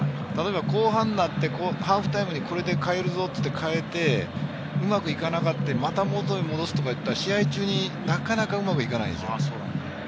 後半になってハーフタイムにこれで変えるぞって言って変えて、うまくいかなくて、元に戻すと言ったら、試合中になかなかうまくいかないんですよ。